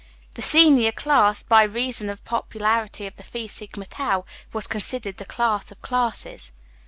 The senior class, by reason of the popularity of the Phi Sigma Tau, was considered the class of classes.